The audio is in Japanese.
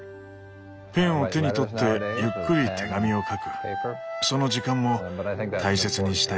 ペンを手に取ってゆっくり手紙を書くその時間も大切にしたいよね。